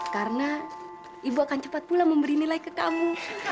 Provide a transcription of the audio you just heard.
karena ibu akan cepat pula memberi nilai ke kamu